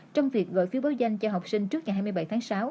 trong việc gọi phiếu báo danh cho học sinh trước ngày hai mươi bảy tháng sáu